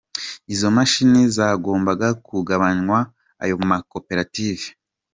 Izo mashini zagombaga kugabanywa ayo makoperative.